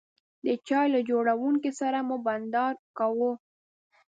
د چای له جوړونکي سره مو بانډار کاوه.